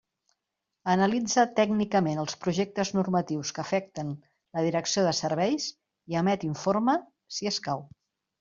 Analitza tècnicament els projectes normatius que afecten la Direcció de Serveis i emet informe, si escau.